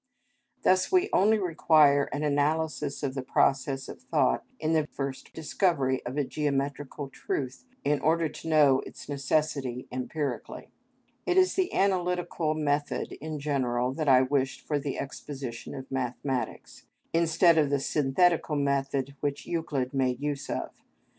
Thus we only require an analysis of the process of thought in the first discovery of a geometrical truth in order to know its necessity empirically. It is the analytical method in general that I wish for the exposition of mathematics, instead of the synthetical method which Euclid made use of.